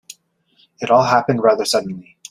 It all happened rather suddenly.